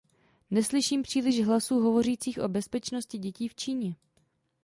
Neslyším příliš hlasů hovořících o bezpečnosti dětí v Číně.